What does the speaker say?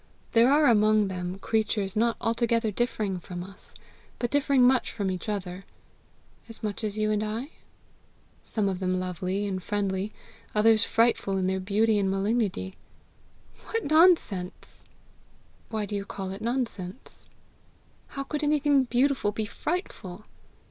There are among them creatures not altogether differing from us, but differing much from each other, " "As much as you and I?" " some of them lovely and friendly, others frightful in their beauty and malignity, " "What nonsense!" "Why do you call it nonsense?" "How could anything beautiful be frightful?"